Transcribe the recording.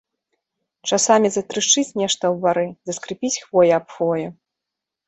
Часамі затрашчыць нешта ў бары, заскрыпіць хвоя аб хвою.